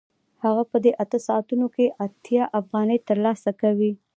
هغه په دې اته ساعتونو کې اتیا افغانۍ ترلاسه کوي